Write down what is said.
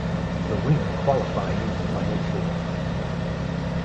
The winner qualifying in the final four.